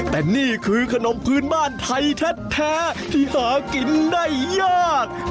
แต่นี่คือขนมพื้นบ้านไทยแท้ที่หากินได้ยาก